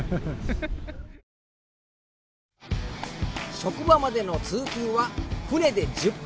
職場までの通勤は船で１０分。